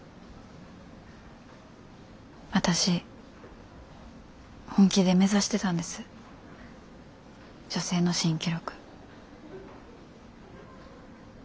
私本気で目指してたんです女性の新記録。